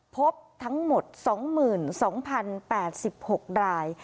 พบทั้งหมด๒๒๐๘๖ราย